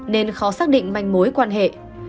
nên khó xác định manh mối quan hệ